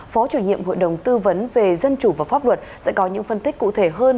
phó chủ nhiệm hội đồng tư vấn về dân chủ và pháp luật sẽ có những phân tích cụ thể hơn